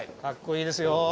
かっこいいですよ。